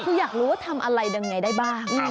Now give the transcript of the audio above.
คืออยากรู้ว่าทำอะไรยังไงได้บ้าง